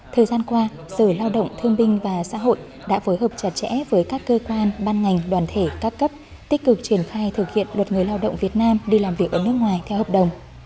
thời gian qua sở lao động thương binh và xã hội đã phối hợp chặt chẽ với các cơ quan ban ngành đoàn thể các cấp tích cực triển khai thực hiện luật người lao động việt nam đi làm việc ở nước ngoài theo hợp đồng